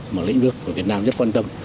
mà lĩnh vực của việt nam rất quan tâm